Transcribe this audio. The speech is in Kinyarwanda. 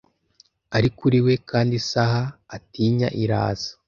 Ari kuri we, kandi isaha atinya iraza,